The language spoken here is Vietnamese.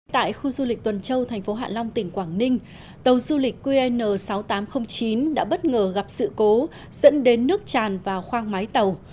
tại khu du lịch tuần châu thành phố hạ long tỉnh quảng ninh tàu du lịch qn sáu nghìn tám trăm linh chín đã bất ngờ gặp sự cố dẫn đến nước tràn vào khoang máy tàu